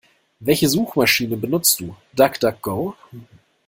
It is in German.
Welche Suchmaschiene benutzt du? DuckDuckGo?